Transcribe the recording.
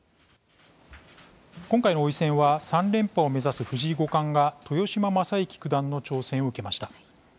今回の王位戦は３連覇を目指す藤井五冠が豊島将之九段の挑戦を受けました。